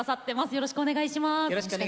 よろしくお願いします。